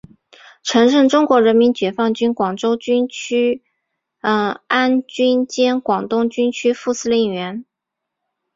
曾任中国人民解放军广州军区公安军兼广东军区副司令员。